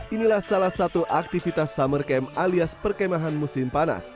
inilah salah satu aktivitas summer camp alias perkemahan musim panas